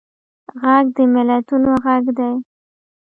غږ د ملتونو غږ دی